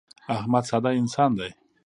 احمد ساده انسان دی.